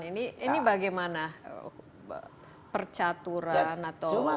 ini bagaimana percaturan atau